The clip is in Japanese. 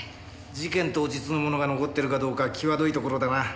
事件当日のものが残ってるかどうか際どいところだな。